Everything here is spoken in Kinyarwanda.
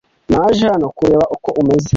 Naje hano kureba uko umeze .